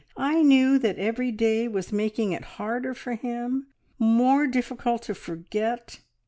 I knew that every day was making it harder for him, more difficult to forget.